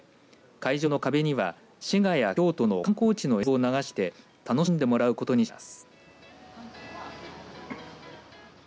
会場の壁には滋賀や京都の観光地の映像を流して楽しんでもらうことにしています。